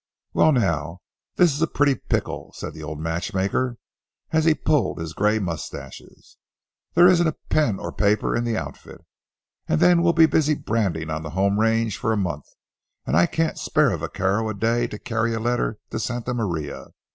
"Well, now, this is a pretty pickle," said the old matchmaker, as he pulled his gray mustaches; "there isn't pen or paper in the outfit. And then we'll be busy branding on the home range for a month, and I can't spare a vaquero a day to carry a letter to Santa Maria.